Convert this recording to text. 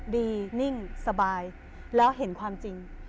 นิ่งสบายแล้วเห็นความจริง